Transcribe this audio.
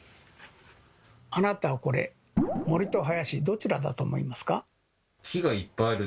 あなたはこれ森と林どちらだと思いますか？